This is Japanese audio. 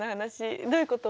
どういうこと？